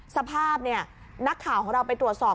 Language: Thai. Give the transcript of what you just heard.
สภาพนักข่าวของเราไปตรวจสอบ